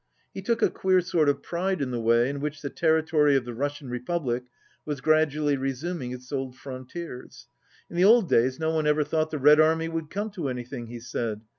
He took a queer sort of pride in the way in which the territory of the Rus ' sian republic was gradually resuming its old fron tiers. "In the old days no one ever thought the Red Army would come to anything," he said.